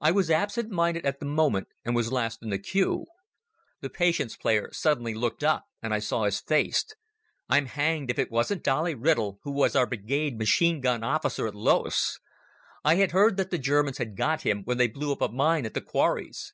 I was absent minded at the moment and was last in the queue. The Patience player suddenly looked up and I saw his face. I'm hanged if it wasn't Dolly Riddell, who was our brigade machine gun officer at Loos. I had heard that the Germans had got him when they blew up a mine at the Quarries.